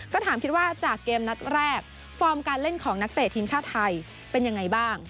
ก็ถามคิดว่าจากเกมนัดแรกฟอร์มการเล่นของนักเตะทีมชาติไทยเป็นยังไงบ้าง